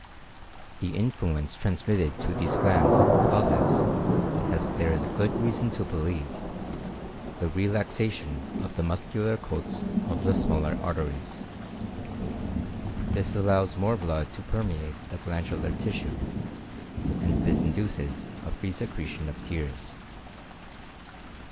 The influence transmitted to these glands causes, as there is good reason to believe, the relaxation of the muscular coats of the smaller arteries; this allows more blood to permeate the glandular tissue, and this induces a free secretion of tears.